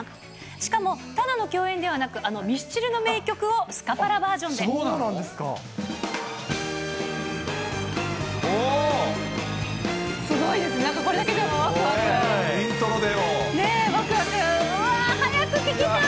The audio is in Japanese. しかも、ただの共演ではなく、あのミスチルの名曲をスカパラバージョンで。